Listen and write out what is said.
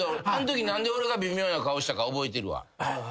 あんとき何で俺が微妙な顔したか覚えてるわ。